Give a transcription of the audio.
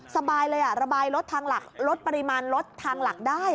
สบายเลยระบายรถทางหลักลดปริมาณรถทางหลักได้